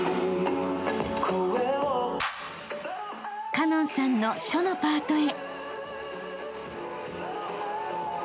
［花音さんの書のパートへ］